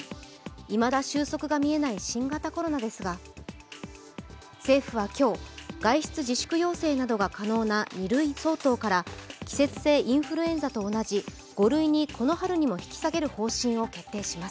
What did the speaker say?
いまだ収束が見えない新型コロナですが、政府は今日、外出自粛要請が可能な２類相当から季節性インフルエンザと同じ５類にこの春にも引き下げる方針を決定します。